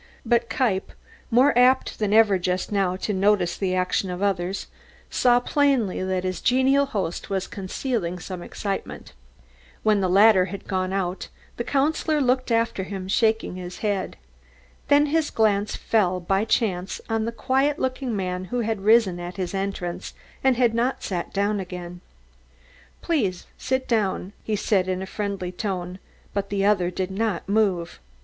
But Kniepp, more apt than ever just now to notice the actions of others, saw plainly that his genial host was concealing some excitement. When the latter had gone out the Councillor looked after him, shaking his head. Then his glance fell by chance on the quiet looking man who had risen at his entrance and had not sat down again. "Please sit down," he said in a friendly tone, but the other did not move.